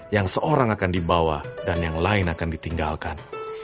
yang seorang akan dibawa dan yang lain akan ditinggalkan